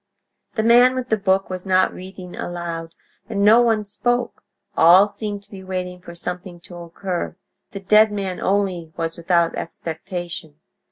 The man with the book was not reading aloud, and no one spoke; all seemed to be waiting for something to occur; the dead man only was without expectation.